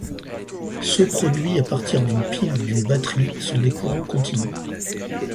Ceux produits à partir d'une pile ou d'une batterie sont des courants continus.